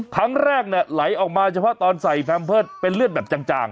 ครั้งแรกไหลออกมาเฉพาะตอนใส่แพมเพิร์ตเป็นเลือดแบบจาง